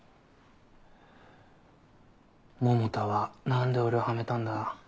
百田は何で俺をはめたんだ。